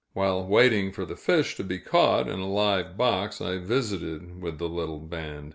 While waiting for the fish to be caught in a live box, I visited with the little band.